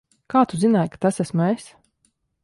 Kā tu zināji, ka tas esmu es?